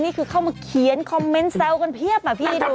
นี่คือเข้ามาเขียนคอมเมนต์แซวกันเพียบมาพี่ให้ดู